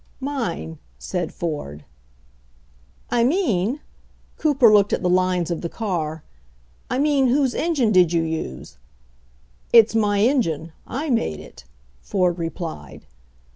'Mine," said Ford. r I mean" — Cooper looked at the lines of the car — "I mean, whose engine did you use?" "It's my engine — I made it," Ford replied.